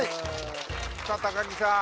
さあ木さん。